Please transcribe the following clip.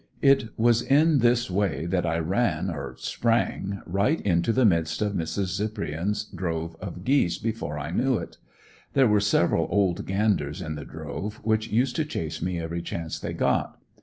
It was in this way that I ran or sprang right into the midst of Mrs. Zipprian's drove of geese, before I knew it. There were several old ganders in the drove which used to chase me every chance they got.